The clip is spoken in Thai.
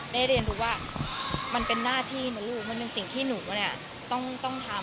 ได้เรียนรู้ว่ามันเป็นหน้าที่นะลูกมันเป็นสิ่งที่หนูเนี่ยต้องทำ